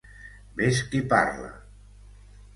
Ves qui parla!